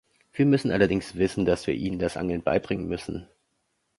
Wir müssen allerdings wissen, dass wir ihnen das Angeln beibringen müssen.